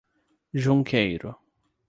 Junqueiro